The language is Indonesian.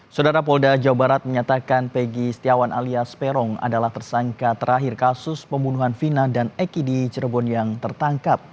saudara polda jawa barat menyatakan pegi setiawan alias peron adalah tersangka terakhir kasus pembunuhan vina dan eki di cirebon yang tertangkap